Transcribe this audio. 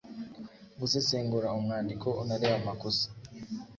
gusesengura umwandiko unarebe amakosa